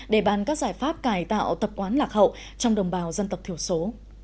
để bàn các giải pháp cải tạo tập quán lạc hậu trong đồng bào dân tộc thiểu số